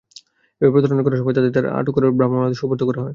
এভাবে প্রতারণা করার সময় তাঁদের আটক করে ভ্রাম্যমাণ আদালতে সোপর্দ করা হয়।